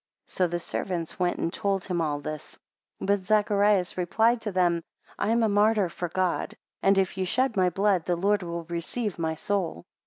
13 So the servants went and told him all this: 14 But Zacharias replied to them, I am a martyr for God, and if ye shed my blood, the Lord will receive my soul.